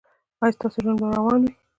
ایا ستاسو ژوند به روان وي؟